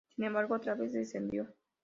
Sin embargo otra vez descendió.